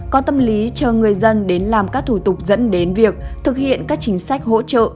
có tâm lý cho người dân đến làm các thủ tục dẫn đến việc thực hiện các chính sách hỗ trợ